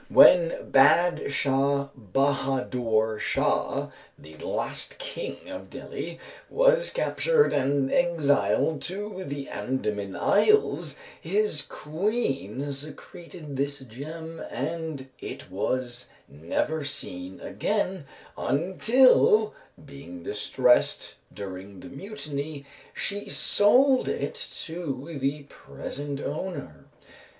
When Bad Shah Bahadoor Shah, the last King of Delhi, was captured and exiled to the Andaman Isles, his Queen secreted this gem, and it was never seen again until, being distressed during the Mutiny, she sold it to the present owner.